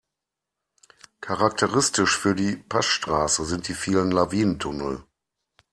Charakteristisch für die Passstraße sind die vielen Lawinentunnel.